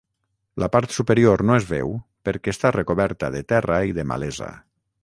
La part superior no es veu perquè està recoberta de terra i de malesa.